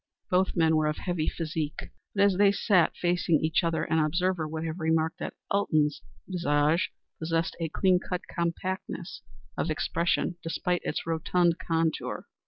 Both men were of heavy physique, but as they sat facing each other an observer would have remarked that Elton's visage possessed a clean cut compactness of expression despite its rotund contour.